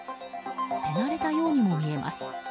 手慣れたようにも見えます。